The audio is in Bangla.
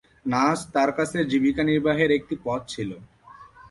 নাচ তাঁর কাছে জীবিকা নির্বাহের একটি পথ ছিল।